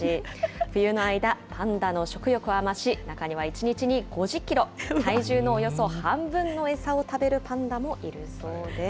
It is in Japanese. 冬の間、パンダの食欲は増し、中には１日に５０キロ、体重のおよそ半分の餌を食べるパンダもいるそうです。